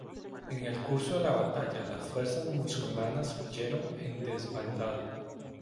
En el curso de la batalla, las fuerzas musulmanas huyeron en desbandada.